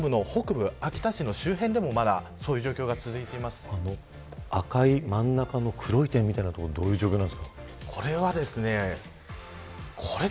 山沿いと沿岸部の北部秋田市の周辺でもそういう状況が赤い真ん中の黒い点みたいな所はどういう状況ですか。